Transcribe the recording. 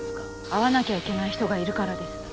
会わなきゃいけない人がいるからです。